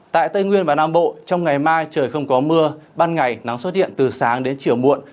tại tây nguyên và nam bộ trong ngày mai trời không có mưa ban ngày nắng xuất hiện từ sáng đến chiều muộn